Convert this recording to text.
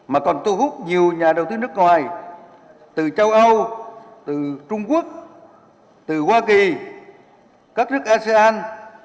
mà còn thu hút nhiều nhà đầu tư nước ngoài từ châu âu từ trung quốc từ hoa kỳ các nước asean